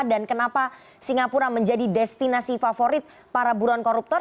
dan kenapa singapura menjadi destinasi favorit para buron koruptor